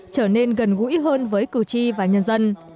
trở nên gần gũi hơn với cử tri và nhân dân